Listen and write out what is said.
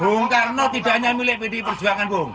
bung karno tidak hanya milik pdi perjuangan bung